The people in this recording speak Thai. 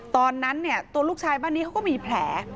ตอนนั้นเนี่ยตัวลูกชายบ้านนี้เขาก็มีแผล